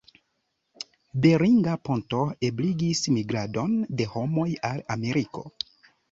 Beringa ponto ebligis migradon de homoj al Ameriko.